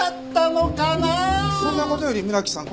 そんな事より村木さん